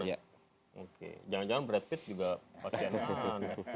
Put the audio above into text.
jangan jangan brad pitt juga pasien